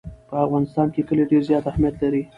په افغانستان کې کلي ډېر زیات اهمیت لري.